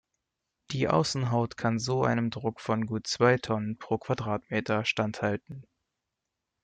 Die Außenhaut kann so einem Druck von gut zwei Tonnen pro Quadratmeter standhalten.